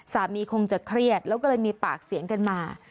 คงจะเครียดแล้วก็เลยมีปากเสียงกันมา